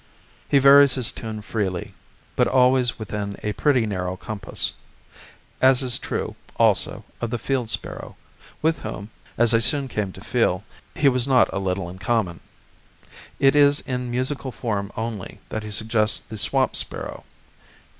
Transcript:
He varies his tune freely, but always within a pretty narrow compass; as is true, also, of the field sparrow, with whom, as I soon came to feel, he has not a little in common. It is in musical form only that he suggests the swamp sparrow.